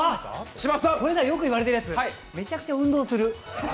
よく言われてるやつ、めちゃくちゃ運動する。